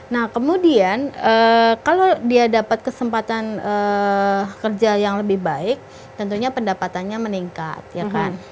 nah kemudian kalau dia dapat kesempatan kerja yang lebih baik tentunya pendapatannya meningkat ya kan